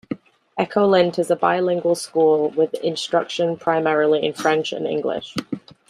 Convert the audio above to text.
Ecolint is a bilingual school, with instruction primarily in French and English.